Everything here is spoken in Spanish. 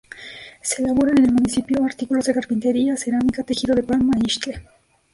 Se elaboran en el municipio artículos de carpintería, cerámica, tejido de palma e ixtle...